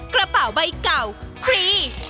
กระเป๋าใบเก่าครี